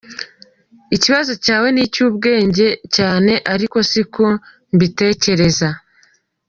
Ikibazo cyawe n’icyubwenge cyane, ariko si ko mbitekereza.